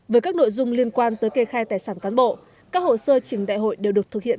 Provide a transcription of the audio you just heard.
với các nội dung liên quan tới kê khai tài sản cán bộ các hồ sơ trình đại hội đều được thực hiện